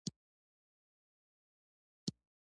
اقلیم د افغانستان د چاپیریال د مدیریت لپاره مهم دي.